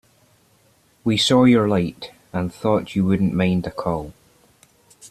We saw your light, and thought you wouldn't mind a call.